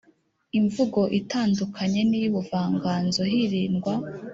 • Imvugo itandukanye n’iy’ubuvanganzo hirindwa